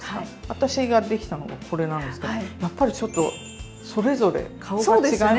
私ができたのはこれなんですけどやっぱりちょっとそれぞれ顔が違いますよね。